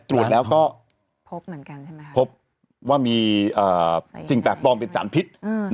ตรวจแล้วก็พบเหมือนกันใช่ไหมครับพบว่ามีสิ่งแปลกปลอมเป็นสารพิษ